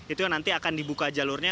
itu yang nanti akan dibuka jalurnya